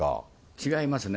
違いますね。